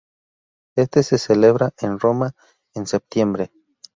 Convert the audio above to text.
Éste se celebraba en Roma, en septiembre.